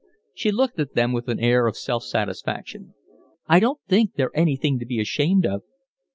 She looked at them with an air of self satisfaction. "I don't think they're anything to be ashamed of."